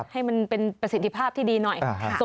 ให้มันเป็นประสิทธิภาพที่ดีหน่อย